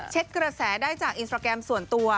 กระแสได้จากอินสตราแกรมส่วนตัว